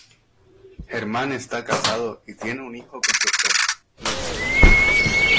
Germán está casado y tiene un hijo con su esposa, Luisa.